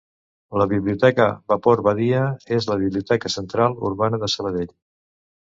La Biblioteca Vapor Badia és la biblioteca central urbana de Sabadell.